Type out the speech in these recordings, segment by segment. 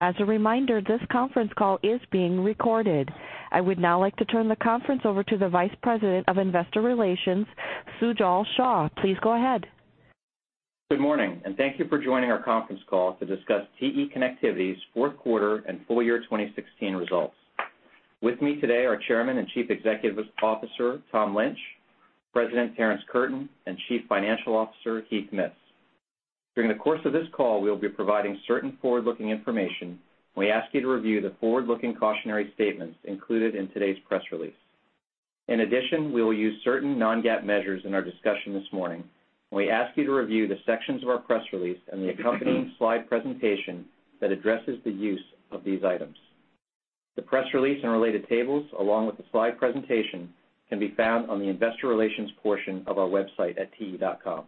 As a reminder, this conference call is being recorded. I would now like to turn the conference over to the Vice President of Investor Relations, Sujal Shah. Please go ahead. Good morning, and thank you for joining our conference call to discuss TE Connectivity's fourth quarter and full year 2016 results. With me today are Chairman and Chief Executive Officer Tom Lynch, President Terrence Curtin, and Chief Financial Officer Heath Mitts. During the course of this call, we will be providing certain forward-looking information, and we ask you to review the forward-looking cautionary statements included in today's press release. In addition, we will use certain non-GAAP measures in our discussion this morning, and we ask you to review the sections of our press release and the accompanying slide presentation that addresses the use of these items. The press release and related tables, along with the slide presentation, can be found on the Investor Relations portion of our website at te.com.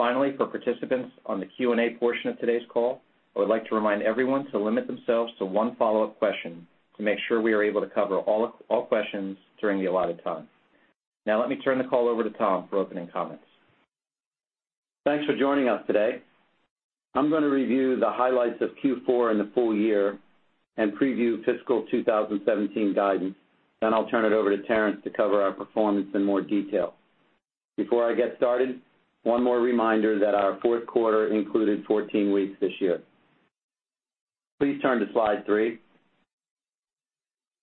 Finally, for participants on the Q&A portion of today's call, I would like to remind everyone to limit themselves to one follow-up question to make sure we are able to cover all questions during the allotted time. Now, let me turn the call over to Tom for opening comments. Thanks for joining us today. I'm going to review the highlights of Q4 in the full year and preview fiscal 2017 guidance, then I'll turn it over to Terrence to cover our performance in more detail. Before I get started, one more reminder that our fourth quarter included 14 weeks this year. Please turn to Slide 3.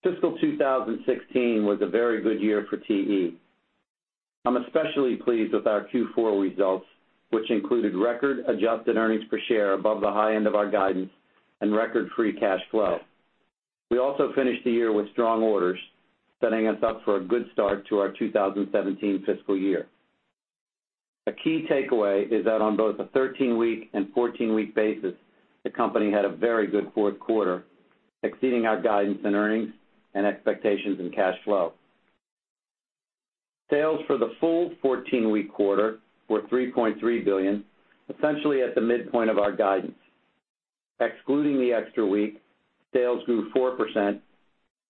Fiscal 2016 was a very good year for TE. I'm especially pleased with our Q4 results, which included record adjusted earnings per share above the high end of our guidance and record free cash flow. We also finished the year with strong orders, setting us up for a good start to our 2017 fiscal year. A key takeaway is that on both a 13-week and 14-week basis, the company had a very good fourth quarter, exceeding our guidance in earnings and expectations in cash flow. Sales for the full 14-week quarter were $3.3 billion, essentially at the midpoint of our guidance. Excluding the extra week, sales grew 4%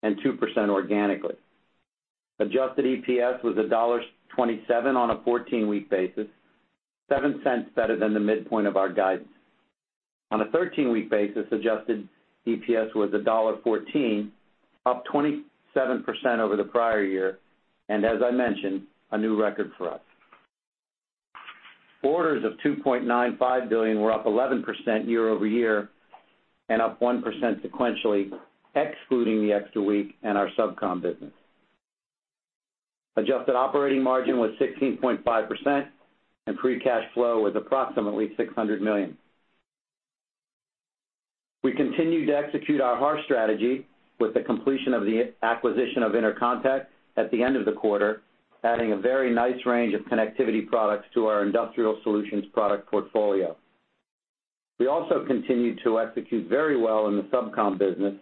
and 2% organically. Adjusted EPS was $1.27 on a 14-week basis, $0.07 better than the midpoint of our guidance. On a 13-week basis, adjusted EPS was $1.14, up 27% over the prior year, and as I mentioned, a new record for us. Orders of $2.95 billion were up 11% year-over-year and up 1% sequentially, excluding the extra week and our SubCom business. Adjusted operating margin was 16.5%, and free cash flow was approximately $600 million. We continued to execute our harsh environment strategy with the completion of the acquisition of Intercontec at the end of the quarter, adding a very nice range of connectivity products to our industrial solutions product portfolio. We also continued to execute very well in the SubCom business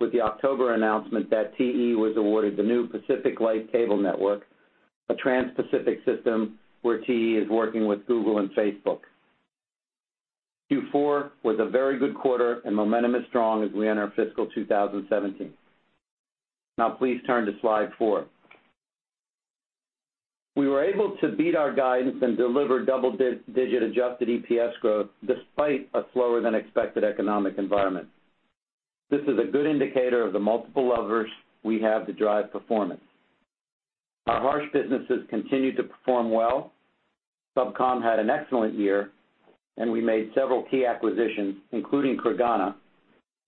with the October announcement that TE was awarded the new Pacific Light Cable Network, a trans-Pacific system where TE is working with Google and Facebook. Q4 was a very good quarter and momentum is strong as we enter fiscal 2017. Now, please turn to slide four. We were able to beat our guidance and deliver double-digit adjusted EPS growth despite a slower-than-expected economic environment. This is a good indicator of the multiple levers we have to drive performance. Our HAR businesses continued to perform well. SubCom had an excellent year, and we made several key acquisitions, including Creganna,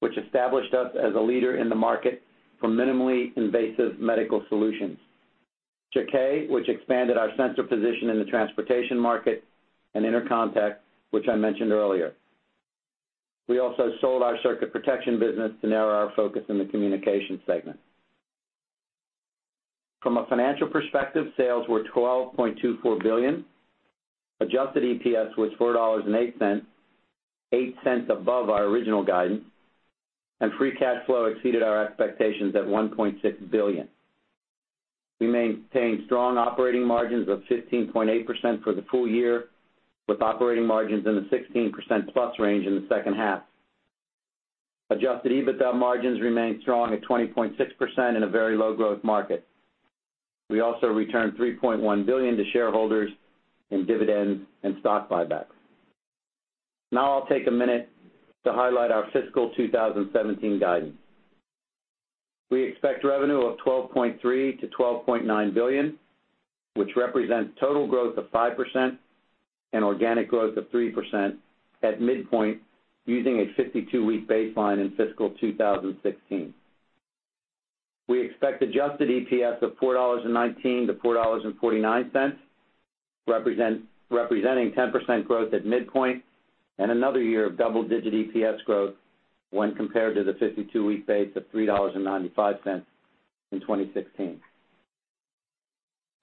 which established us as a leader in the market for minimally invasive medical solutions; Jaquet, which expanded our sensor position in the transportation market; and Intercontec, which I mentioned earlier. We also sold our circuit protection business to narrow our focus in the communication segment. From a financial perspective, sales were $12.24 billion. Adjusted EPS was $4.08, $0.08 cents above our original guidance, and free cash flow exceeded our expectations at $1.6 billion. We maintained strong operating margins of 15.8% for the full year, with operating margins in the 16% plus range in the second half. Adjusted EBITDA margins remained strong at 20.6% in a very low-growth market. We also returned $3.1 billion to shareholders in dividends and stock buybacks. Now, I'll take a minute to highlight our fiscal 2017 guidance. We expect revenue of $12.3-$12.9 billion, which represents total growth of 5% and organic growth of 3% at midpoint, using a 52-week baseline in fiscal 2016. We expect Adjusted EPS of $4.19-$4.49, representing 10% growth at midpoint and another year of double-digit EPS growth when compared to the 52-week base of $3.95 in 2016.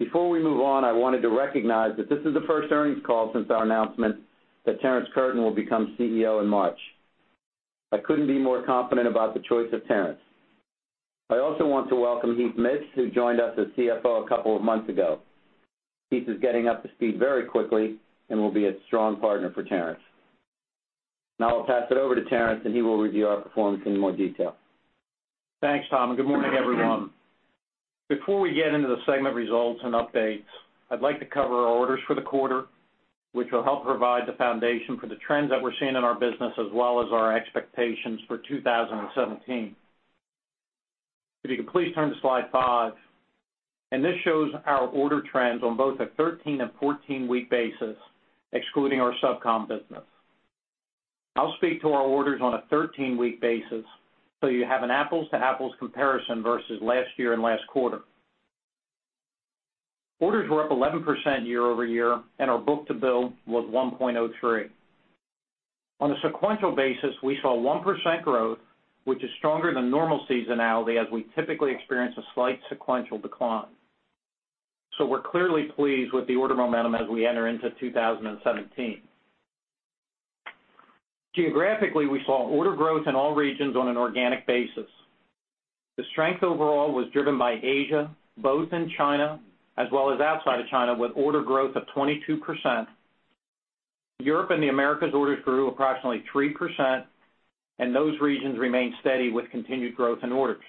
Before we move on, I wanted to recognize that this is the first earnings call since our announcement that Terrence Curtin will become CEO in March. I couldn't be more confident about the choice of Terrence. I also want to welcome Heath Mitts, who joined us as CFO a couple of months ago. Heath is getting up to speed very quickly and will be a strong partner for Terrence. Now, I'll pass it over to Terrence, and he will review our performance in more detail. Thanks, Tom, and good morning, everyone. Before we get into the segment results and updates, I'd like to cover our orders for the quarter, which will help provide the foundation for the trends that we're seeing in our business as well as our expectations for 2017. If you could please turn to Slide 5. This shows our order trends on both a 13- and 14-week basis, excluding our SubCom business. I'll speak to our orders on a 13-week basis so you have an apples-to-apples comparison versus last year and last quarter. Orders were up 11% year-over-year, and our book-to-bill was 1.03. On a sequential basis, we saw 1% growth, which is stronger than normal seasonality as we typically experience a slight sequential decline. We're clearly pleased with the order momentum as we enter into 2017. Geographically, we saw order growth in all regions on an organic basis. The strength overall was driven by Asia, both in China as well as outside of China, with order growth of 22%. Europe and the Americas orders grew approximately 3%, and those regions remained steady with continued growth in orders.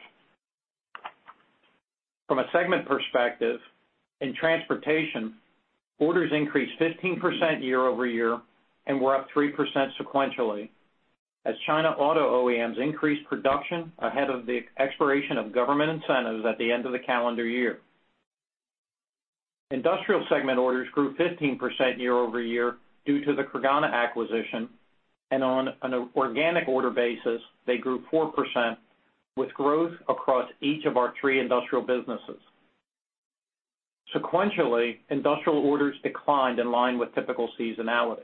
From a segment perspective, in transportation, orders increased 15% year-over-year and were up 3% sequentially as China auto OEMs increased production ahead of the expiration of government incentives at the end of the calendar year. Industrial segment orders grew 15% year-over-year due to the Creganna acquisition, and on an organic order basis, they grew 4% with growth across each of our three industrial businesses. Sequentially, industrial orders declined in line with typical seasonality.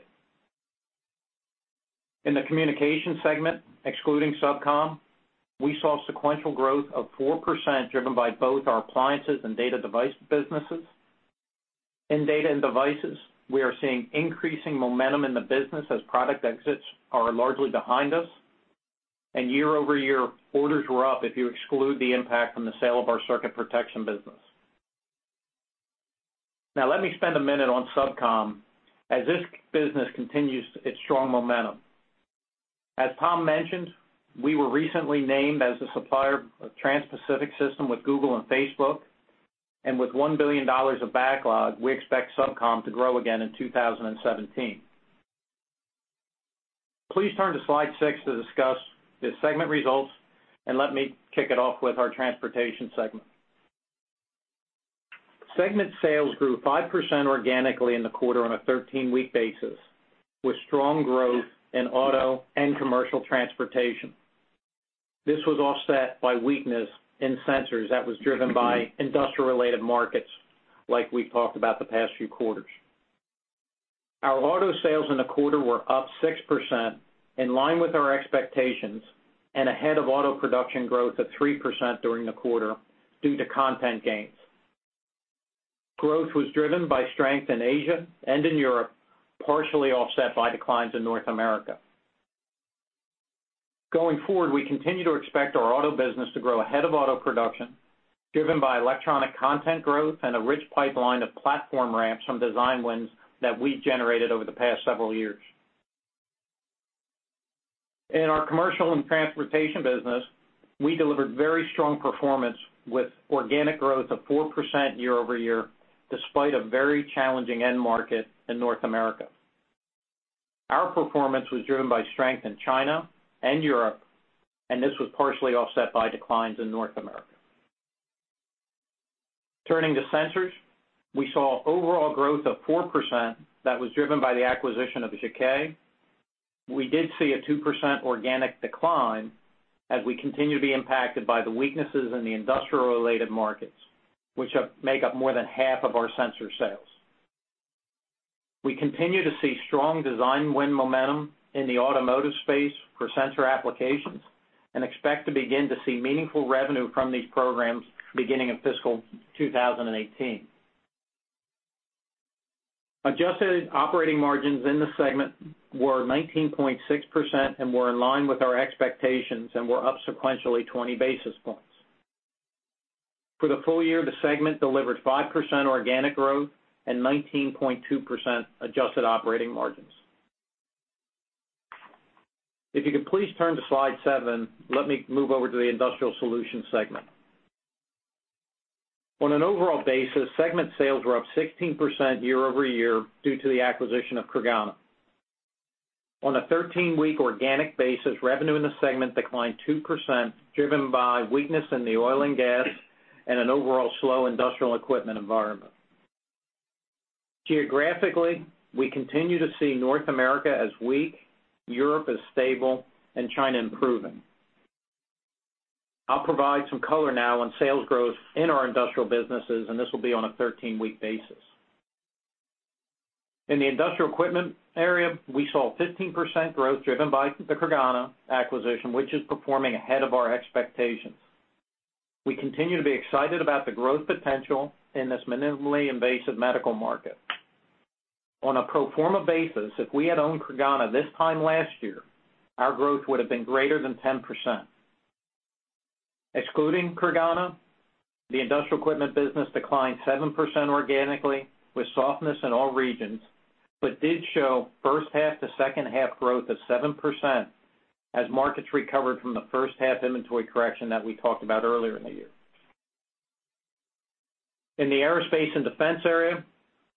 In the communication segment, excluding SubCom, we saw sequential growth of 4% driven by both our appliances and data device businesses. In data and devices, we are seeing increasing momentum in the business as product exits are largely behind us, and year-over-year, orders were up if you exclude the impact from the sale of our circuit protection business. Now, let me spend a minute on SubCom as this business continues its strong momentum. As Tom mentioned, we were recently named as the supplier of a trans-Pacific system with Google and Facebook, and with $1 billion of backlog, we expect SubCom to grow again in 2017. Please turn to Slide 6 to discuss the segment results, and let me kick it off with our transportation segment. Segment sales grew 5% organically in the quarter on a 13-week basis, with strong growth in auto and commercial transportation. This was offset by weakness in sensors that was driven by industrial-related markets, like we've talked about the past few quarters. Our auto sales in the quarter were up 6%, in line with our expectations, and ahead of auto production growth of 3% during the quarter due to content gains. Growth was driven by strength in Asia and in Europe, partially offset by declines in North America. Going forward, we continue to expect our auto business to grow ahead of auto production, driven by electronic content growth and a rich pipeline of platform ramps from design wins that we generated over the past several years. In our commercial and transportation business, we delivered very strong performance with organic growth of 4% year-over-year, despite a very challenging end market in North America. Our performance was driven by strength in China and Europe, and this was partially offset by declines in North America. Turning to sensors, we saw overall growth of 4% that was driven by the acquisition of Jaquet. We did see a 2% organic decline as we continue to be impacted by the weaknesses in the industrial-related markets, which make up more than half of our sensor sales. We continue to see strong design win momentum in the automotive space for sensor applications and expect to begin to see meaningful revenue from these programs beginning in fiscal 2018. Adjusted operating margins in the segment were 19.6% and were in line with our expectations and were up sequentially 20 basis points. For the full year, the segment delivered 5% organic growth and 19.2% adjusted operating margins. If you could please turn to slide 7, let me move over to the industrial solution segment. On an overall basis, segment sales were up 16% year-over-year due to the acquisition of Creganna. On a 13-week organic basis, revenue in the segment declined 2%, driven by weakness in the oil and gas and an overall slow industrial equipment environment. Geographically, we continue to see North America as weak, Europe as stable, and China improving. I'll provide some color now on sales growth in our industrial businesses, and this will be on a 13-week basis. In the industrial equipment area, we saw 15% growth driven by the Creganna acquisition, which is performing ahead of our expectations. We continue to be excited about the growth potential in this minimally invasive medical market. On a pro forma basis, if we had owned Creganna this time last year, our growth would have been greater than 10%. Excluding Creganna, the industrial equipment business declined 7% organically with softness in all regions, but did show first half to second half growth of 7% as markets recovered from the first half inventory correction that we talked about earlier in the year. In the aerospace and defense area,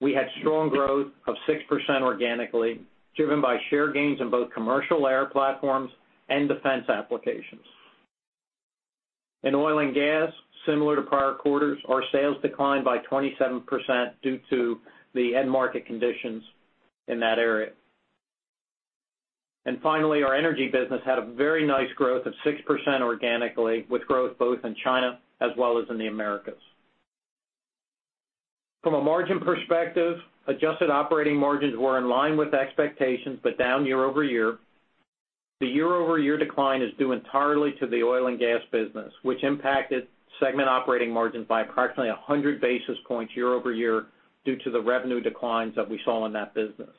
we had strong growth of 6% organically, driven by share gains in both commercial air platforms and defense applications. In oil and gas, similar to prior quarters, our sales declined by 27% due to the end market conditions in that area. And finally, our energy business had a very nice growth of 6% organically, with growth both in China as well as in the Americas. From a margin perspective, adjusted operating margins were in line with expectations, but down year-over-year. The year-over-year decline is due entirely to the oil and gas business, which impacted segment operating margins by approximately 100 basis points year-over-year due to the revenue declines that we saw in that business.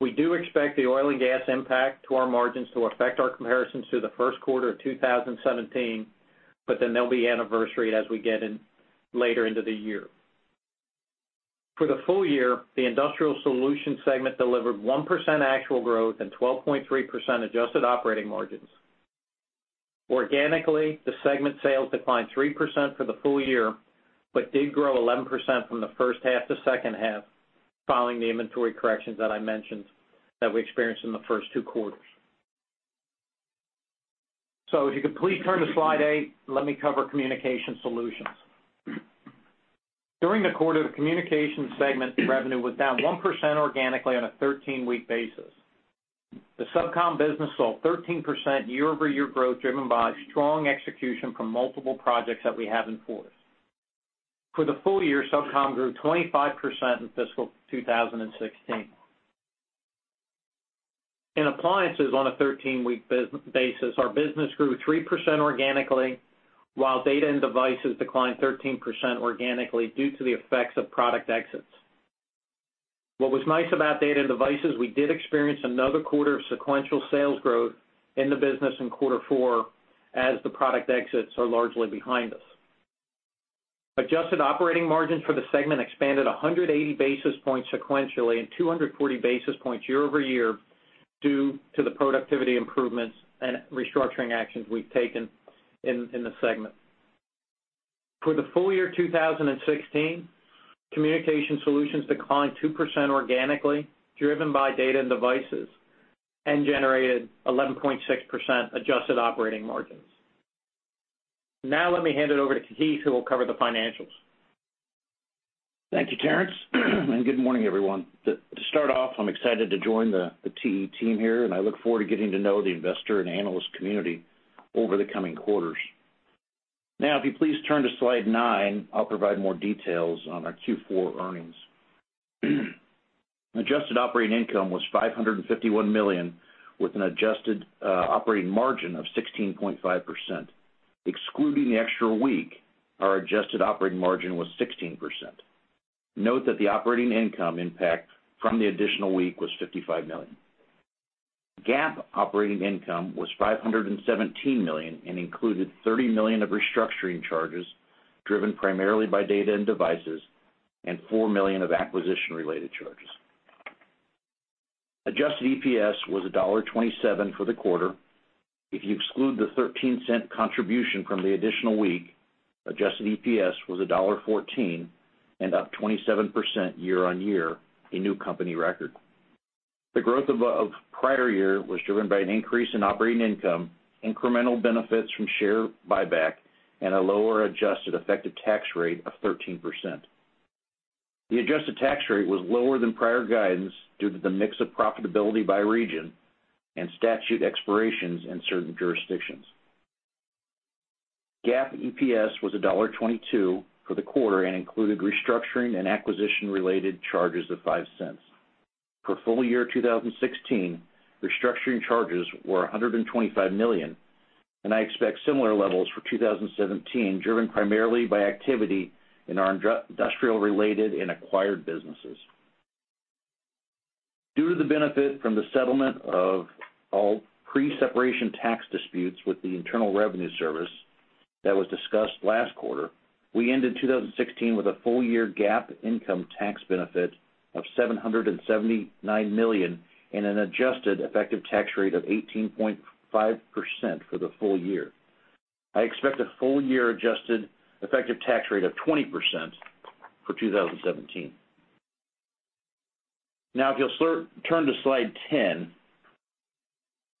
We do expect the oil and gas impact to our margins to affect our comparisons to the first quarter of 2017, but then there'll be anniversary as we get in later into the year. For the full year, the industrial solution segment delivered 1% actual growth and 12.3% adjusted operating margins. Organically, the segment sales declined 3% for the full year, but did grow 11% from the first half to second half, following the inventory corrections that I mentioned that we experienced in the first two quarters. So if you could please turn to Slide 8, let me cover communication solutions. During the quarter, the communication segment revenue was down 1% organically on a 13-week basis. The SubCom business saw 13% year-over-year growth driven by strong execution from multiple projects that we have in force. For the full year, SubCom grew 25% in fiscal 2016. In appliances, on a 13-week basis, our business grew 3% organically, while data and devices declined 13% organically due to the effects of product exits. What was nice about data and devices, we did experience another quarter of sequential sales growth in the business in quarter four as the product exits are largely behind us. Adjusted operating margins for the segment expanded 180 basis points sequentially and 240 basis points year-over-year due to the productivity improvements and restructuring actions we've taken in the segment. For the full year 2016, communication solutions declined 2% organically, driven by data and devices, and generated 11.6% adjusted operating margins. Now, let me hand it over to Heath, who will cover the financials. Thank you, Terrence, and good morning, everyone. To start off, I'm excited to join the TE team here, and I look forward to getting to know the investor and analyst community over the coming quarters. Now, if you please turn to Slide 9, I'll provide more details on our Q4 earnings. Adjusted operating income was $551 million, with an adjusted operating margin of 16.5%. Excluding the extra week, our adjusted operating margin was 16%. Note that the operating income impact from the additional week was $55 million. GAAP operating income was $517 million and included $30 million of restructuring charges driven primarily by data and devices and $4 million of acquisition-related charges. Adjusted EPS was $1.27 for the quarter. If you exclude the $0.13 contribution from the additional week, adjusted EPS was $1.14 and up 27% year-over-year, a new company record. The growth of prior year was driven by an increase in operating income, incremental benefits from share buyback, and a lower adjusted effective tax rate of 13%. The adjusted tax rate was lower than prior guidance due to the mix of profitability by region and statute expirations in certain jurisdictions. GAAP EPS was $1.22 for the quarter and included restructuring and acquisition-related charges of $0.05. For full year 2016, restructuring charges were $125 million, and I expect similar levels for 2017, driven primarily by activity in our industrial-related and acquired businesses. Due to the benefit from the settlement of all pre-separation tax disputes with the Internal Revenue Service that was discussed last quarter, we ended 2016 with a full year GAAP income tax benefit of $779 million and an adjusted effective tax rate of 18.5% for the full year. I expect a full year adjusted effective tax rate of 20% for 2017. Now, if you'll turn to Slide 10,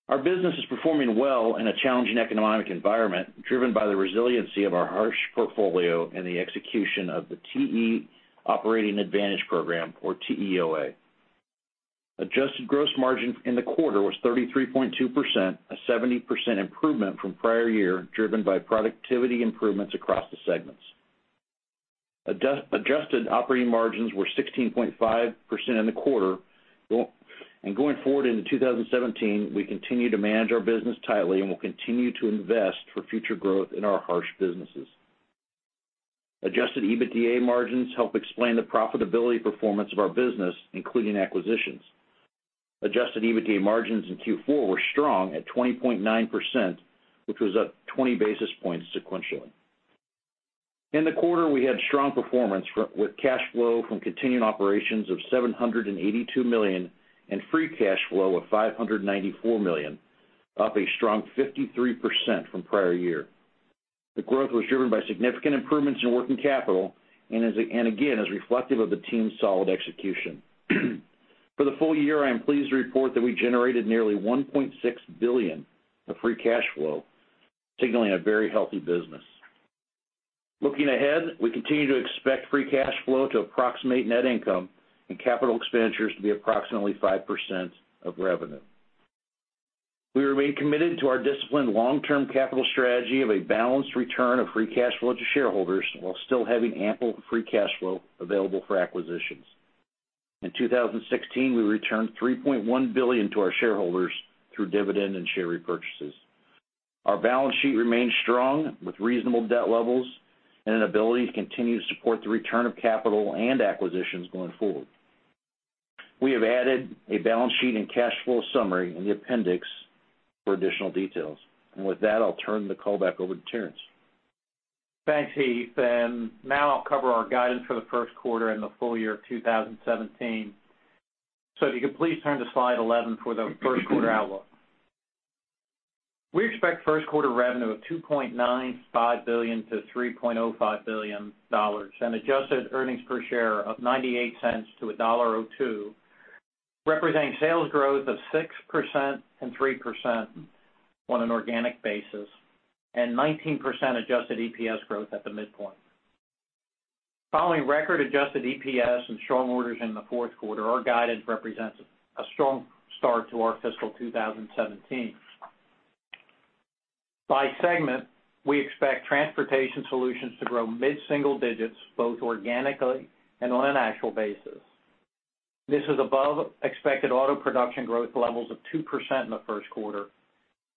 our business is performing well in a challenging economic environment driven by the resiliency of our harsh portfolio and the execution of the TE Operating Advantage Program, or TEOA. Adjusted gross margin in the quarter was 33.2%, a 70% improvement from prior year driven by productivity improvements across the segments. Adjusted operating margins were 16.5% in the quarter, and going forward into 2017, we continue to manage our business tightly and will continue to invest for future growth in our harsh businesses. Adjusted EBITDA margins help explain the profitability performance of our business, including acquisitions. Adjusted EBITDA margins in Q4 were strong at 20.9%, which was up 20 basis points sequentially. In the quarter, we had strong performance with cash flow from continuing operations of $782 million and free cash flow of $594 million, up a strong 53% from prior year. The growth was driven by significant improvements in working capital and again, is reflective of the team's solid execution. For the full year, I am pleased to report that we generated nearly $1.6 billion of free cash flow, signaling a very healthy business. Looking ahead, we continue to expect free cash flow to approximate net income and capital expenditures to be approximately 5% of revenue. We remain committed to our disciplined long-term capital strategy of a balanced return of free cash flow to shareholders while still having ample free cash flow available for acquisitions. In 2016, we returned $3.1 billion to our shareholders through dividend and share repurchases. Our balance sheet remains strong with reasonable debt levels and an ability to continue to support the return of capital and acquisitions going forward. We have added a balance sheet and cash flow summary in the appendix for additional details. With that, I'll turn the call back over to Terrence. Thanks, Heath. Now I'll cover our guidance for the first quarter and the full year of 2017. If you could please turn to slide 11 for the first quarter outlook. We expect first quarter revenue of $2.95 billion-$3.05 billion and adjusted earnings per share of $0.98-$1.02, representing sales growth of 6% and 3% on an organic basis and 19% adjusted EPS growth at the midpoint. Following record adjusted EPS and strong orders in the fourth quarter, our guidance represents a strong start to our fiscal 2017. By segment, we expect transportation solutions to grow mid-single digits, both organically and on an actual basis. This is above expected auto production growth levels of 2% in the first quarter,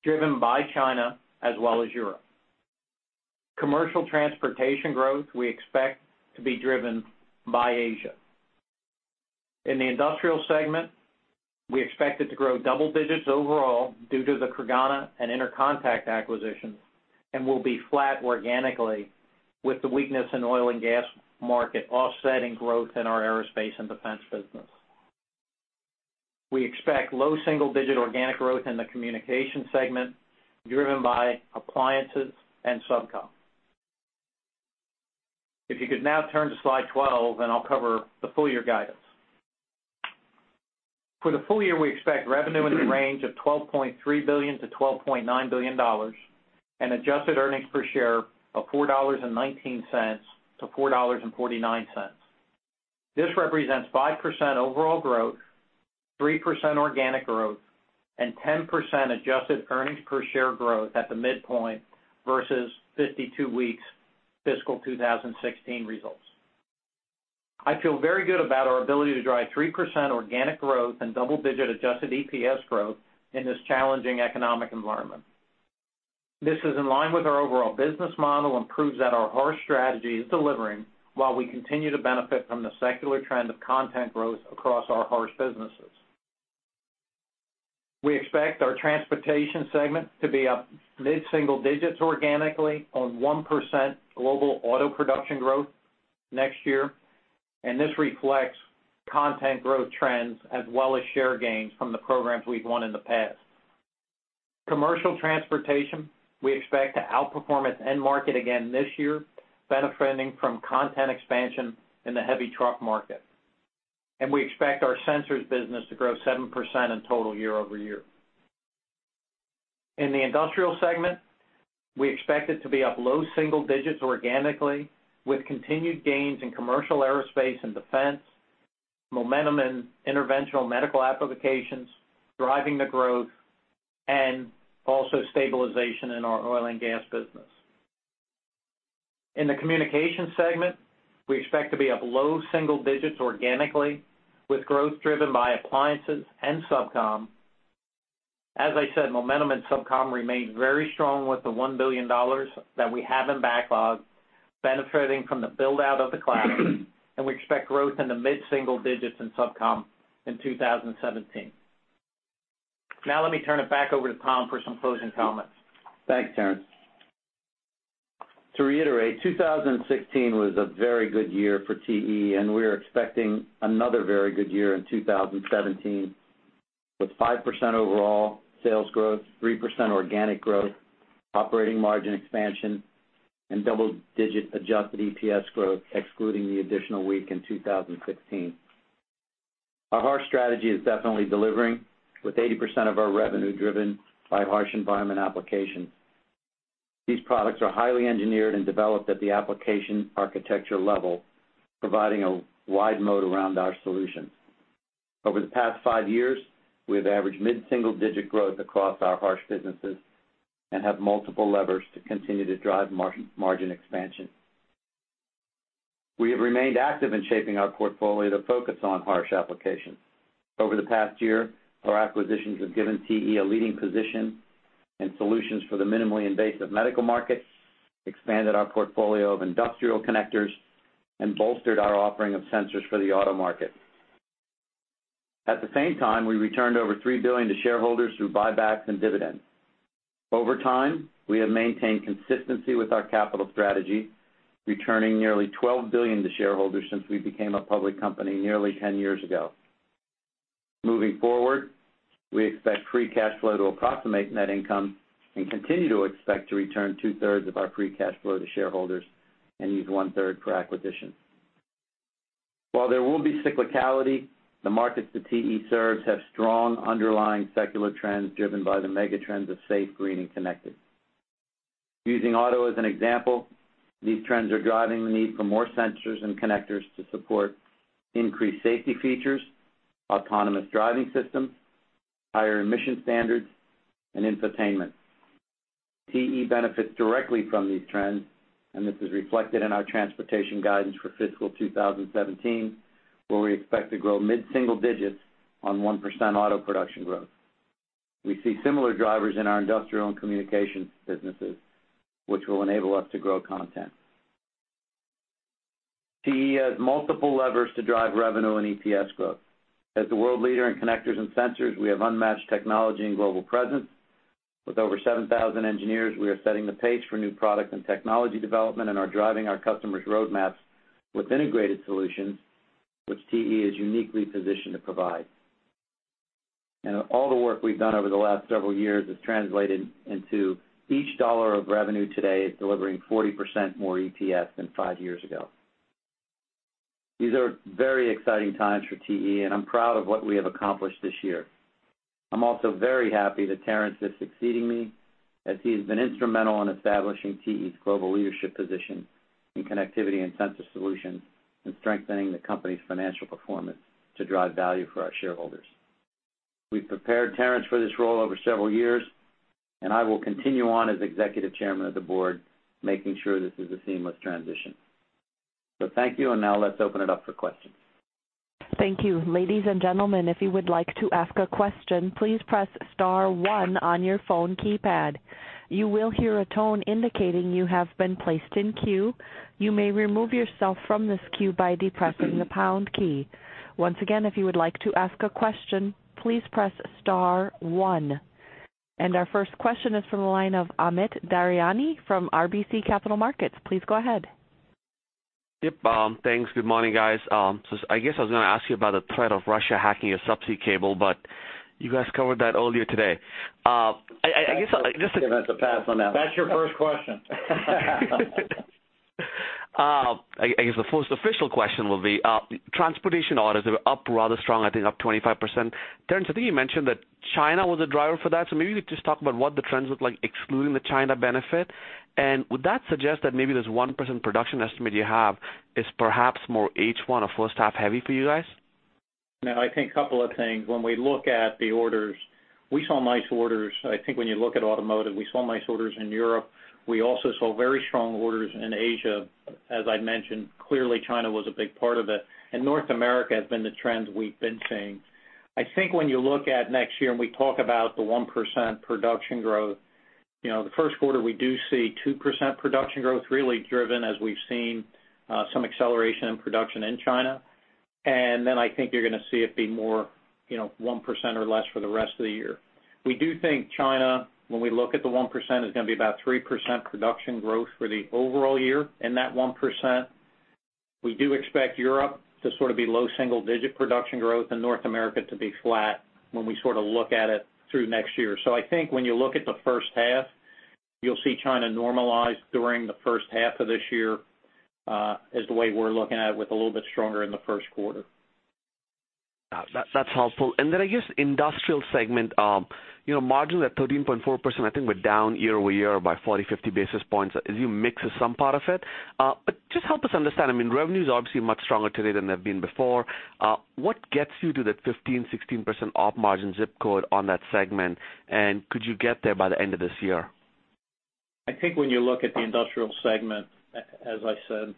driven by China as well as Europe. Commercial transportation growth we expect to be driven by Asia. In the industrial segment, we expect it to grow double digits overall due to the Creganna and Intercontec acquisitions and will be flat organically with the weakness in oil and gas market offsetting growth in our aerospace and defense business. We expect low single-digit organic growth in the communication segment driven by appliances and SubCom. If you could now turn to Slide 12, and I'll cover the full year guidance. For the full year, we expect revenue in the range of $12.3 billion-$12.9 billion and adjusted earnings per share of $4.19-$4.49. This represents 5% overall growth, 3% organic growth, and 10% adjusted earnings per share growth at the midpoint versus 52 weeks fiscal 2016 results. I feel very good about our ability to drive 3% organic growth and double-digit adjusted EPS growth in this challenging economic environment. This is in line with our overall business model and proves that our harsh strategy is delivering while we continue to benefit from the secular trend of content growth across our harsh businesses. We expect our transportation segment to be up mid-single digits organically on 1% global auto production growth next year, and this reflects content growth trends as well as share gains from the programs we've won in the past. Commercial transportation, we expect to outperform its end market again this year, benefiting from content expansion in the heavy truck market. We expect our sensors business to grow 7% in total year-over-year. In the industrial segment, we expect it to be up low single digits organically with continued gains in commercial aerospace and defense, momentum in interventional medical applications driving the growth, and also stabilization in our oil and gas business. In the communication segment, we expect to be up low single digits organically with growth driven by appliances and SubCom. As I said, momentum in SubCom remains very strong with the $1 billion that we have in backlog, benefiting from the build-out of the cloud, and we expect growth in the mid-single digits in SubCom in 2017. Now, let me turn it back over to Tom for some closing comments. Thanks, Terrence. To reiterate, 2016 was a very good year for TE, and we are expecting another very good year in 2017 with 5% overall sales growth, 3% organic growth, operating margin expansion, and double-digit Adjusted EPS growth, excluding the additional week in 2016. Our harsh strategy is definitely delivering with 80% of our revenue driven by harsh environment applications. These products are highly engineered and developed at the application architecture level, providing a wide moat around our solutions. Over the past five years, we have averaged mid-single digit growth across our harsh businesses and have multiple levers to continue to drive margin expansion. We have remained active in shaping our portfolio to focus on harsh applications. Over the past year, our acquisitions have given TE a leading position in solutions for the minimally invasive medical market, expanded our portfolio of industrial connectors, and bolstered our offering of sensors for the auto market. At the same time, we returned over $3 billion to shareholders through buybacks and dividends. Over time, we have maintained consistency with our capital strategy, returning nearly $12 billion to shareholders since we became a public company nearly 10 years ago. Moving forward, we expect free cash flow to approximate net income and continue to expect to return two-thirds of our free cash flow to shareholders and use one-third for acquisitions. While there will be cyclicality, the markets that TE serves have strong underlying secular trends driven by the mega trends of safe, green, and connected. Using auto as an example, these trends are driving the need for more sensors and connectors to support increased safety features, autonomous driving systems, higher emission standards, and infotainment. TE benefits directly from these trends, and this is reflected in our transportation guidance for fiscal 2017, where we expect to grow mid-single digits on 1% auto production growth. We see similar drivers in our industrial and communications businesses, which will enable us to grow content. TE has multiple levers to drive revenue and EPS growth. As the world leader in connectors and sensors, we have unmatched technology and global presence. With over 7,000 engineers, we are setting the pace for new product and technology development and are driving our customers' roadmaps with integrated solutions, which TE is uniquely positioned to provide. And all the work we've done over the last several years has translated into each dollar of revenue today is delivering 40% more EPS than five years ago. These are very exciting times for TE, and I'm proud of what we have accomplished this year. I'm also very happy that Terrence is succeeding me as he has been instrumental in establishing TE's global leadership position in connectivity and sensor solutions and strengthening the company's financial performance to drive value for our shareholders. We've prepared Terrence for this role over several years, and I will continue on as Executive Chairman of the board, making sure this is a seamless transition. So thank you, and now let's open it up for questions. Thank you. Ladies and gentlemen, if you would like to ask a question, please press star one on your phone keypad. You will hear a tone indicating you have been placed in queue. You may remove yourself from this queue by depressing the pound key. Once again, if you would like to ask a question, please press star one. Our first question is from the line of Amit Daryanani from RBC Capital Markets. Please go ahead. Yep. Thanks. Good morning, guys. So I guess I was going to ask you about the threat of Russia hacking your subsea cable, but you guys covered that earlier today. I guess I'll just. Give us a pass on that one. That's your first question. I guess the first official question will be, transportation orders are up rather strong, I think up 25%. Terrence, I think you mentioned that China was a driver for that. So maybe you could just talk about what the trends look like excluding the China benefit. And would that suggest that maybe this 1% production estimate you have is perhaps more H1 or first half heavy for you guys? No. I think a couple of things. When we look at the orders, we saw nice orders. I think when you look at automotive, we saw nice orders in Europe. We also saw very strong orders in Asia. As I mentioned, clearly China was a big part of it. North America has been the trend we've been seeing. I think when you look at next year and we talk about the 1% production growth, the first quarter we do see 2% production growth really driven as we've seen some acceleration in production in China. Then I think you're going to see it be more 1% or less for the rest of the year. We do think China, when we look at the 1%, is going to be about 3% production growth for the overall year in that 1%. We do expect Europe to sort of be low single-digit production growth and North America to be flat when we sort of look at it through next year. So I think when you look at the first half, you'll see China normalize during the first half of this year, is the way we're looking at it with a little bit stronger in the first quarter. That's helpful. And then I guess industrial segment, margins at 13.4%, I think we're down year-over-year by 40-50 basis points as you mix some part of it. But just help us understand, I mean, revenues are obviously much stronger today than they've been before. What gets you to that 15%-16% up margin zip code on that segment? And could you get there by the end of this year? I think when you look at the industrial segment, as I said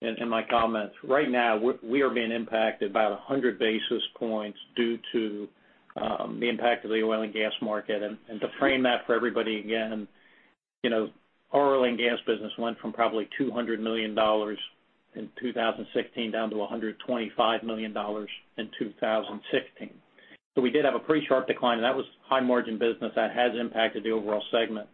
in my comments, right now we are being impacted by 100 basis points due to the impact of the oil and gas market. And to frame that for everybody again, our oil and gas business went from probably $200 million in 2016 down to $125 million in 2016. So we did have a pretty sharp decline, and that was high margin business that has impacted the overall segment.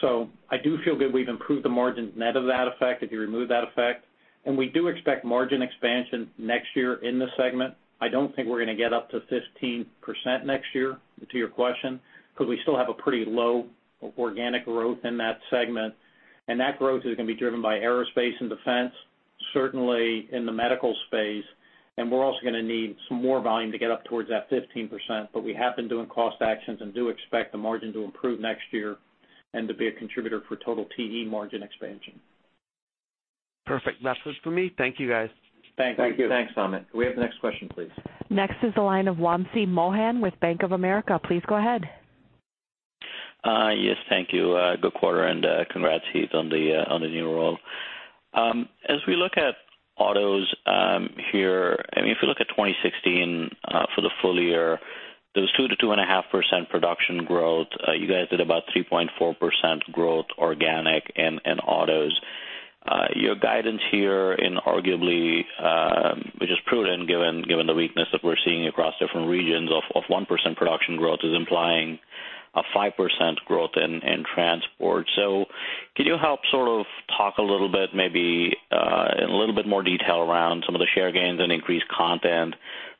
So I do feel good we've improved the margins net of that effect if you remove that effect. And we do expect margin expansion next year in the segment. I don't think we're going to get up to 15% next year to your question because we still have a pretty low organic growth in that segment. That growth is going to be driven by aerospace and defense, certainly in the medical space. We're also going to need some more volume to get up towards that 15%. We have been doing cost actions and do expect the margin to improve next year and to be a contributor for total TE margin expansion. Perfect. That's it for me. Thank you, guys. Thank you. Thanks, Amit. Can we have the next question, please? Next is the line of Wamsi Mohan with Bank of America. Please go ahead. Yes. Thank you. Good quarter, and congrats on the new role. As we look at autos here, I mean, if you look at 2016 for the full year, there was 2%-2.5% production growth. You guys did about 3.4% growth organic in autos. Your guidance here inarguably, which is prudent given the weakness that we're seeing across different regions of 1% production growth is implying a 5% growth in transport. So can you help sort of talk a little bit maybe in a little bit more detail around some of the share gains and increased content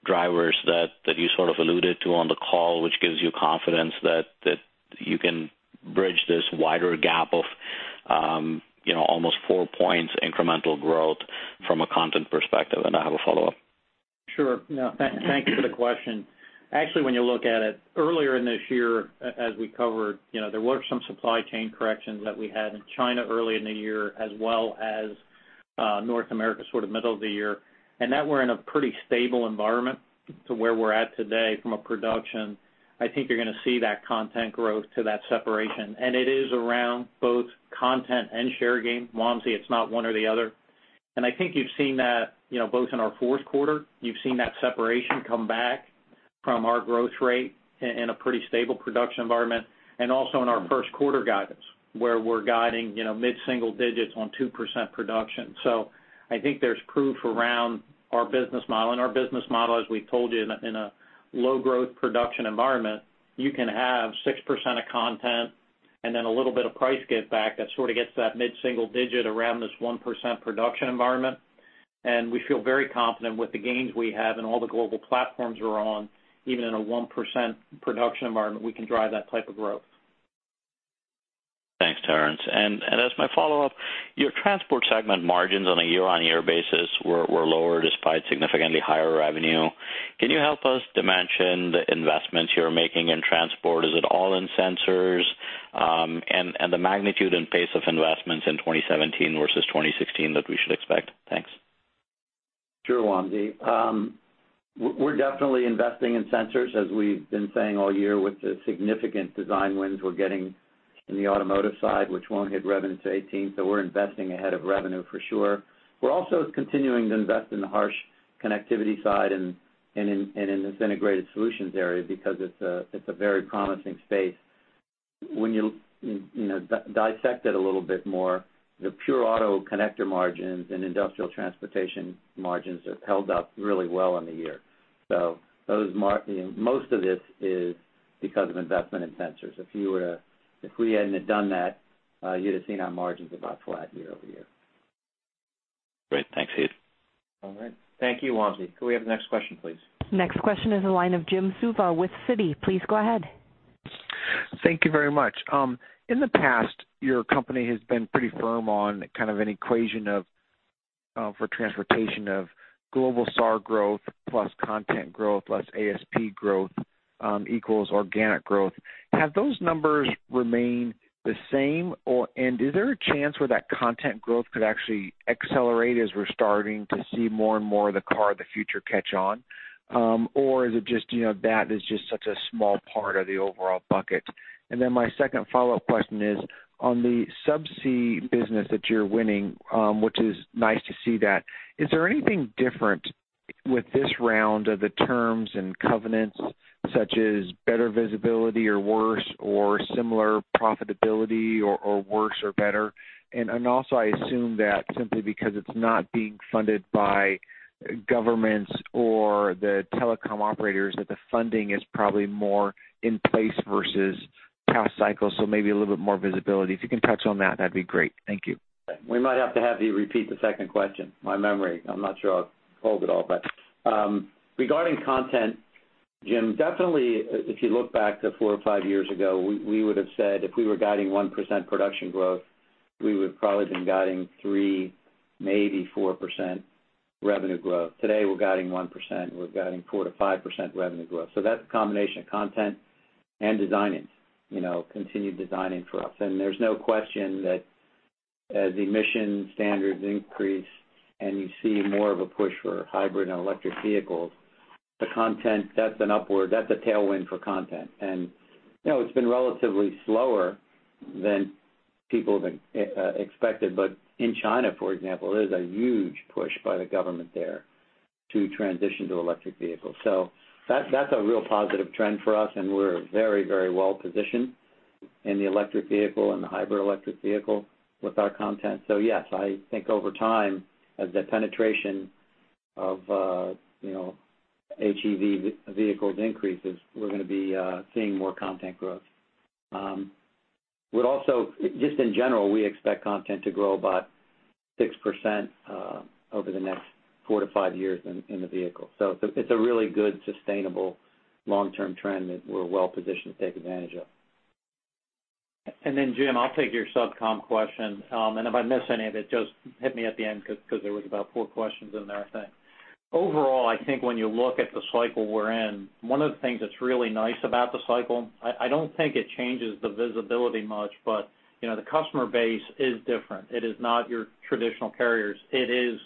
drivers that you sort of alluded to on the call, which gives you confidence that you can bridge this wider gap of almost four points incremental growth from a content perspective? And I have a follow-up. Sure. Thank you for the question. Actually, when you look at it, earlier in this year, as we covered, there were some supply chain corrections that we had in China earlier in the year as well as North America sort of middle of the year. That we're in a pretty stable environment to where we're at today from a production. I think you're going to see that content growth to that separation. And it is around both content and share gain. Wamsi, it's not one or the other. And I think you've seen that both in our fourth quarter. You've seen that separation come back from our growth rate in a pretty stable production environment and also in our first quarter guidance where we're guiding mid-single digits on 2% production. So I think there's proof around our business model. Our business model, as we've told you, in a low-growth production environment, you can have 6% of content and then a little bit of price get back that sort of gets that mid-single digit around this 1% production environment. We feel very confident with the gains we have and all the global platforms we're on, even in a 1% production environment, we can drive that type of growth. Thanks, Terrence. And as my follow-up, your transport segment margins on a year-over-year basis were lower despite significantly higher revenue. Can you help us dimension the investments you're making in transport? Is it all in sensors? And the magnitude and pace of investments in 2017 versus 2016 that we should expect? Thanks. Sure, Wamsi. We're definitely investing in sensors as we've been saying all year with the significant design wins we're getting in the automotive side, which won't hit revenue to 2018. So we're investing ahead of revenue for sure. We're also continuing to invest in the harsh connectivity side and in this integrated solutions area because it's a very promising space. When you dissect it a little bit more, the pure auto connector margins and industrial transportation margins have held up really well in the year. So most of this is because of investment in sensors. If we hadn't done that, you'd have seen our margins about flat year-over-year. Great. Thanks, Heath. All right. Thank you, Wamsi. Can we have the next question, please? Next question is the line of Jim Suva with Citi. Please go ahead. Thank you very much. In the past, your company has been pretty firm on kind of an equation for transportation of global SAAR growth plus content growth less ASP growth equals organic growth. Have those numbers remained the same? And is there a chance where that content growth could actually accelerate as we're starting to see more and more of the car of the future catch on? Or is it just that is just such a small part of the overall bucket? And then my second follow-up question is on the subsea business that you're winning, which is nice to see that. Is there anything different with this round of the terms and covenants such as better visibility or worse or similar profitability or worse or better? Also, I assume that simply because it's not being funded by governments or the telecom operators that the funding is probably more in place versus past cycles, so maybe a little bit more visibility. If you can touch on that, that'd be great. Thank you. We might have to have you repeat the second question. My memory, I'm not sure I'll hold it all. But regarding content, Jim, definitely if you look back to 4 or 5 years ago, we would have said if we were guiding 1% production growth, we would have probably been guiding 3%, maybe 4% revenue growth. Today, we're guiding 1%. We're guiding 4%-5% revenue growth. So that's a combination of content and designing, continued designing for us. And there's no question that as emission standards increase and you see more of a push for hybrid and electric vehicles, the content, that's an upward, that's a tailwind for content. And it's been relatively slower than people have expected. But in China, for example, there's a huge push by the government there to transition to electric vehicles. So that's a real positive trend for us, and we're very, very well positioned in the electric vehicle and the hybrid electric vehicle with our content. So yes, I think over time as the penetration of HEV vehicles increases, we're going to be seeing more content growth. Just in general, we expect content to grow about 6% over the next four to five years in the vehicle. So it's a really good, sustainable, long-term trend that we're well positioned to take advantage of. And then, Jim, I'll take your SubCom question. And if I miss any of it, just hit me at the end because there was about four questions in there, I think. Overall, I think when you look at the cycle we're in, one of the things that's really nice about the cycle, I don't think it changes the visibility much, but the customer base is different. It is not your traditional carriers. It is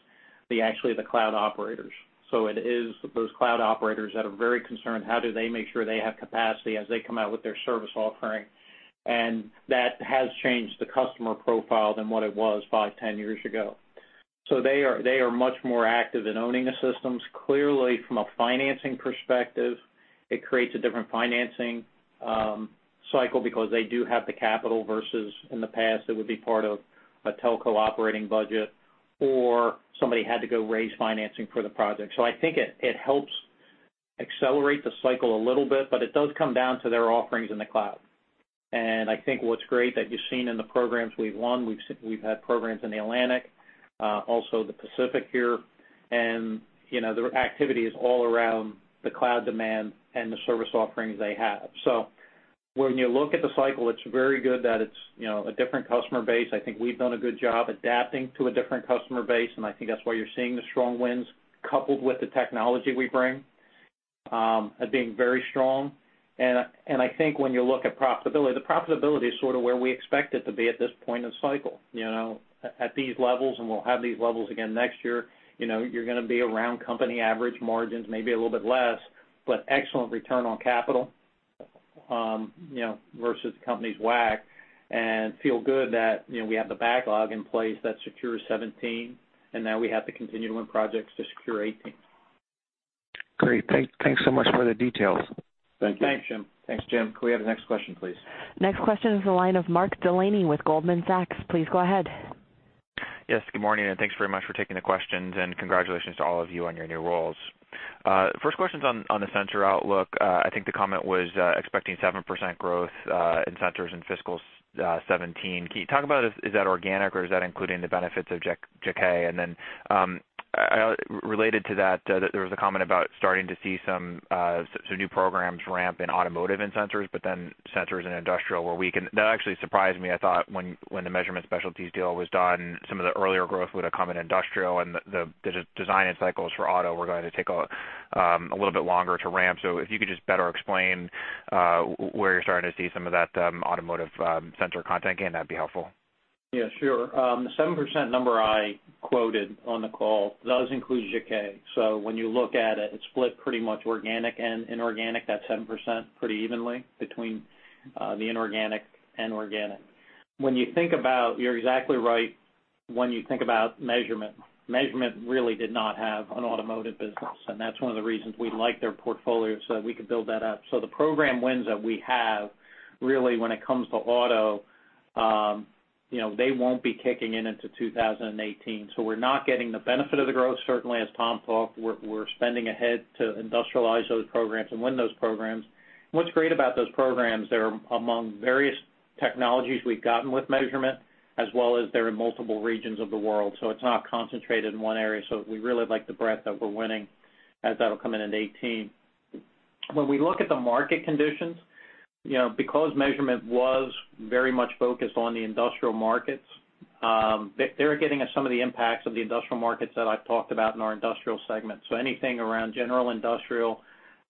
actually the cloud operators. So it is those cloud operators that are very concerned how do they make sure they have capacity as they come out with their service offering. And that has changed the customer profile than what it was five, 10 years ago. So they are much more active in owning the systems. Clearly, from a financing perspective, it creates a different financing cycle because they do have the capital versus in the past, it would be part of a telco operating budget or somebody had to go raise financing for the project. So I think it helps accelerate the cycle a little bit, but it does come down to their offerings in the cloud. And I think what's great that you've seen in the programs we've won, we've had programs in the Atlantic, also the Pacific here. The activity is all around the cloud demand and the service offerings they have. So when you look at the cycle, it's very good that it's a different customer base. I think we've done a good job adapting to a different customer base. And I think that's why you're seeing the strong wins coupled with the technology we bring as being very strong. And I think when you look at profitability, the profitability is sort of where we expect it to be at this point in the cycle. At these levels, and we'll have these levels again next year, you're going to be around company average margins, maybe a little bit less, but excellent return on capital versus the company's WACC and feel good that we have the backlog in place that secures 2017, and now we have the continuum projects to secure 2018. Great. Thanks so much for the details. Thank you. Thanks, Jim. Can we have the next question, please? Next question is the line of Mark Delaney with Goldman Sachs. Please go ahead. Yes. Good morning. And thanks very much for taking the questions. And congratulations to all of you on your new roles. First question's on the sensor outlook. I think the comment was expecting 7% growth in sensors in fiscal 2017. Can you talk about is that organic or is that including the benefits of Jaquet? And then related to that, there was a comment about starting to see some new programs ramp in automotive in sensors, but then sensors in industrial where we can that actually surprised me. I thought when the Measurement Specialties deal was done, some of the earlier growth would have come in industrial, and the design cycles for auto were going to take a little bit longer to ramp. So if you could just better explain where you're starting to see some of that automotive sensor content gain, that'd be helpful. Yeah, sure. The 7% number I quoted on the call does include Jaquet. So when you look at it, it's split pretty much organic and inorganic. That's 7% pretty evenly between the inorganic and organic. When you think about, you're exactly right when you think about Measurement. Measurement really did not have an automotive business. That's one of the reasons we like their portfolio so that we could build that up. The program wins that we have really when it comes to auto, they won't be kicking in into 2018. We're not getting the benefit of the growth. Certainly, as Tom talked, we're spending ahead to industrialize those programs and win those programs. What's great about those programs, they're among various technologies we've gotten with Measurement as well as they're in multiple regions of the world. It's not concentrated in one area. So we really like the breadth that we're winning as that'll come in into 2018. When we look at the market conditions, because measurement was very much focused on the industrial markets, they're getting some of the impacts of the industrial markets that I've talked about in our industrial segment. So anything around general industrial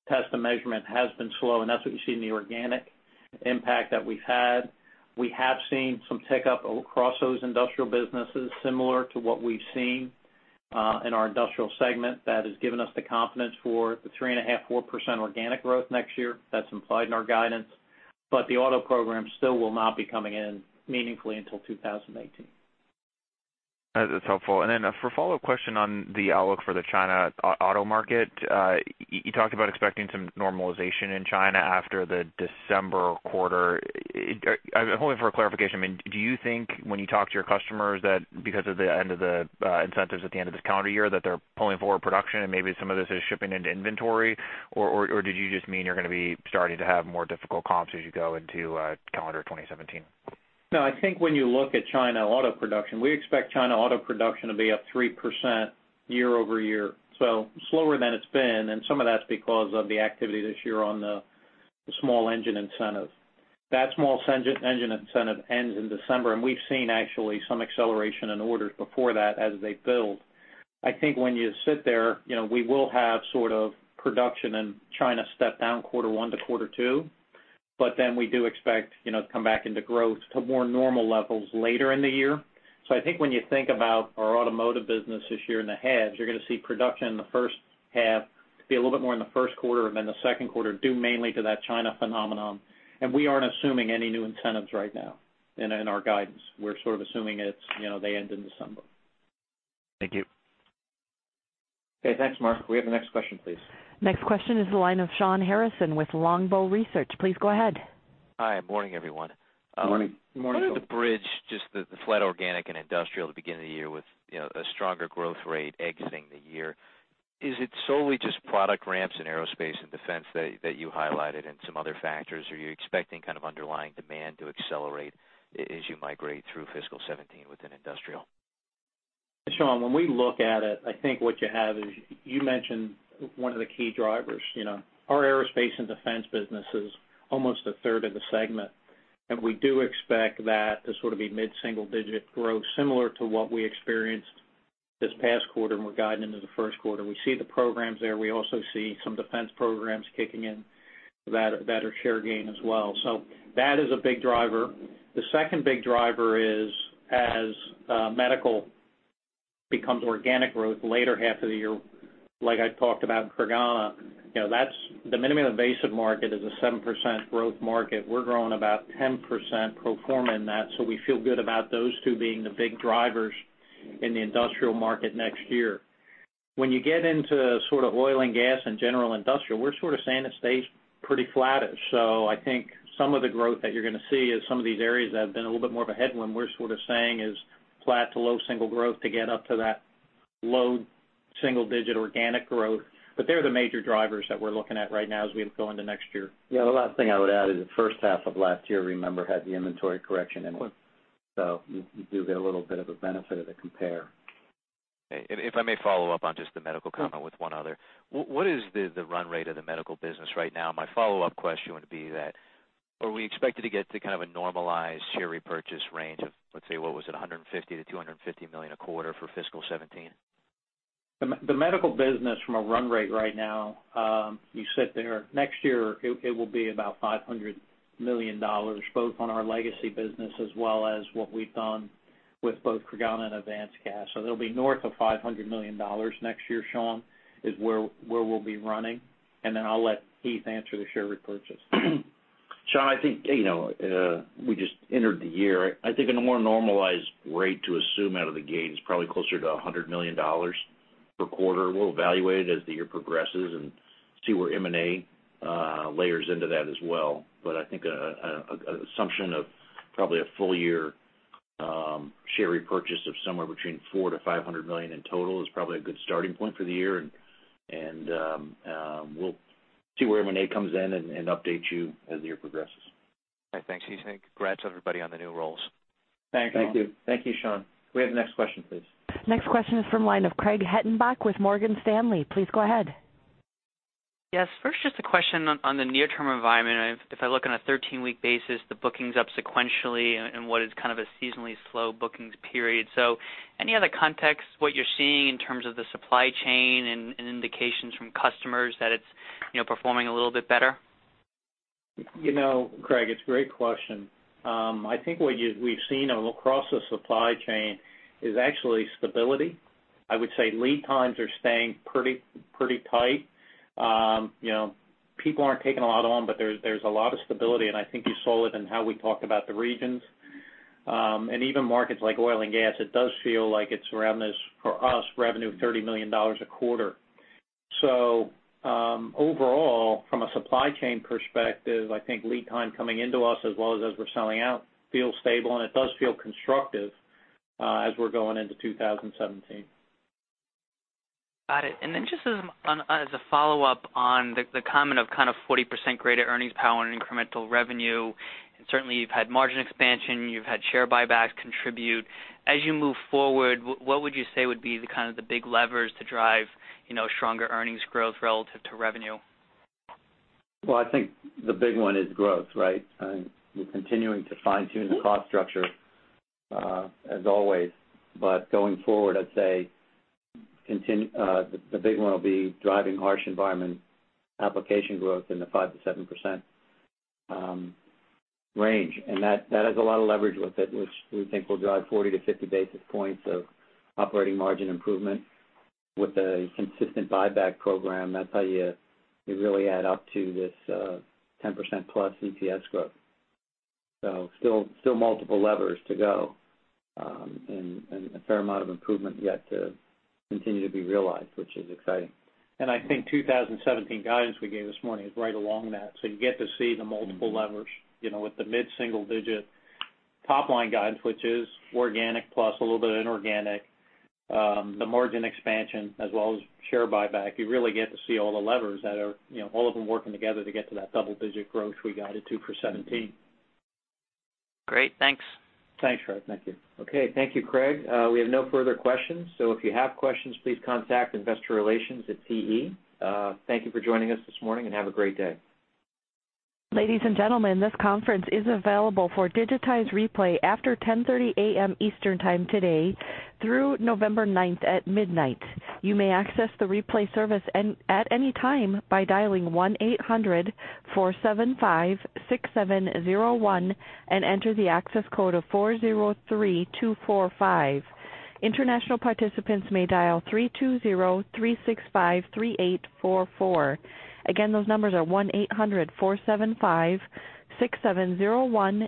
test and measurement has been slow. That's what you see in the organic impact that we've had. We have seen some tick up across those industrial businesses similar to what we've seen in our industrial segment that has given us the confidence for the 3.5%-4% organic growth next year that's implied in our guidance. But the auto program still will not be coming in meaningfully until 2018. That's helpful. And then for a follow-up question on the outlook for the China auto market, you talked about expecting some normalization in China after the December quarter. I'm hoping for a clarification. I mean, do you think when you talk to your customers that because of the end of the incentives at the end of this calendar year that they're pulling forward production and maybe some of this is shipping into inventory, or did you just mean you're going to be starting to have more difficult comps as you go into calendar 2017? No, I think when you look at China auto production, we expect China auto production to be up 3% year-over-year. So slower than it's been. And some of that's because of the activity this year on the small engine incentive. That small engine incentive ends in December. And we've seen actually some acceleration in orders before that as they build. I think when you sit there, we will have sort of production in China step down quarter one to quarter two. But then we do expect to come back into growth to more normal levels later in the year. So I think when you think about our automotive business this year and ahead, you're going to see production in the first half be a little bit more in the first quarter and then the second quarter due mainly to that China phenomenon. We aren't assuming any new incentives right now in our guidance. We're sort of assuming they end in December. Thank you. Okay. Thanks, Mark. We have the next question, please. Next question is the line of Shawn Harrison with Longbow Research. Please go ahead. Hi. Morning, everyone. Morning. Morning, Shawn. How did the bridge, just the flat organic and industrial at the beginning of the year with a stronger growth rate exiting the year, is it solely just product ramps in aerospace and defense that you highlighted and some other factors? Are you expecting kind of underlying demand to accelerate as you migrate through fiscal 2017 within industrial? Shawn, when we look at it, I think what you have is you mentioned one of the key drivers. Our aerospace and defense business is almost a third of the segment. We do expect that to sort of be mid-single-digit growth similar to what we experienced this past quarter and we're guiding into the first quarter. We see the programs there. We also see some defense programs kicking in that are share gain as well. So that is a big driver. The second big driver is as medical becomes organic growth later half of the year, like I talked about in Creganna, the minimally invasive market is a 7% growth market. We're growing about 10% pro forma in that. So we feel good about those two being the big drivers in the industrial market next year. When you get into sort of oil and gas and general industrial, we're sort of saying it stays pretty flattish. So I think some of the growth that you're going to see is some of these areas that have been a little bit more of a headwind. We're sort of saying is flat to low single growth to get up to that low single-digit organic growth. But they're the major drivers that we're looking at right now as we go into next year. Yeah. The last thing I would add is the first half of last year, remember, had the inventory correction in it. So you do get a little bit of a benefit of the compare. Okay. If I may follow up on just the medical comment with one other, what is the run rate of the medical business right now? My follow-up question would be that are we expected to get to kind of a normalized share repurchase range of, let's say, what was it, $150 million-$250 million a quarter for fiscal 2017? The medical business from a run rate right now, you sit there. Next year, it will be about $500 million both on our legacy business as well as what we've done with both Creganna and AdvancedCath. So it'll be north of $500 million next year, Shawn, is where we'll be running. And then I'll let Heath answer the share repurchase. Shawn, I think we just entered the year. I think a more normalized rate to assume out of the gate is probably closer to $100 million per quarter. We'll evaluate it as the year progresses and see where M&A layers into that as well. But I think an assumption of probably a full year share repurchase of somewhere between $400 million-$500 million in total is probably a good starting point for the year. And we'll see where M&A comes in and update you as the year progresses. All right. Thanks, Heath. Congrats to everybody on the new roles. Thank you. Thank you, Shawn. We have the next question, please. Next question is from the line of Craig Hettenbach with Morgan Stanley. Please go ahead. Yes. First, just a question on the near-term environment. If I look on a 13-week basis, the bookings up sequentially and what is kind of a seasonally slow bookings period. So any other context, what you're seeing in terms of the supply chain and indications from customers that it's performing a little bit better? Craig, it's a great question. I think what we've seen across the supply chain is actually stability. I would say lead times are staying pretty tight. People aren't taking a lot on, but there's a lot of stability. And I think you saw it in how we talked about the regions. And even markets like oil and gas, it does feel like it's around this, for us, revenue of $30 million a quarter. So overall, from a supply chain perspective, I think lead time coming into us as well as as we're selling out feels stable. And it does feel constructive as we're going into 2017. Got it. And then just as a follow-up on the comment of kind of 40% greater earnings power and incremental revenue, and certainly you've had margin expansion, you've had share buybacks contribute. As you move forward, what would you say would be kind of the big levers to drive stronger earnings growth relative to revenue? Well, I think the big one is growth, right? We're continuing to fine-tune the cost structure as always. But going forward, I'd say the big one will be driving harsh environment application growth in the 5%-7% range. And that has a lot of leverage with it, which we think will drive 40 to 50 basis points of operating margin improvement with a consistent buyback program. That's how you really add up to this 10% plus EPS growth. So still multiple levers to go and a fair amount of improvement yet to continue to be realized, which is exciting. And I think 2017 guidance we gave this morning is right along that. So you get to see the multiple levers with the mid-single-digit top-line guidance, which is organic plus a little bit of inorganic, the margin expansion as well as share buyback. You really get to see all the levers that are all of them working together to get to that double-digit growth we guided to for 2017. Great. Thanks. Thanks, Craig. Thank you. Okay. Thank you, Craig. We have no further questions. So if you have questions, please contact Investor Relations at TE. Thank you for joining us this morning and have a great day. Ladies and gentlemen, this conference is available for digitized replay after 10:30 A.M. Eastern Time today through November 9th at midnight. You may access the replay service at any time by dialing 1-800-475-6701 and enter the access code of 403245. International participants may dial 320-365-3844. Again, those numbers are 1-800-475-6701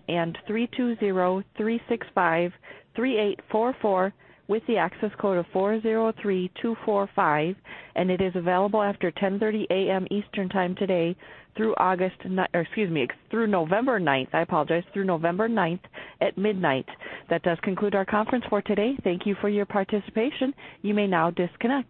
and 320-365-3844 with the access code of 403245. It is available after 10:30 A.M. Eastern Time today through August or excuse me, through November 9th. I apologize. Through November 9th at midnight. That does conclude our conference for today. Thank you for your participation. You may now disconnect.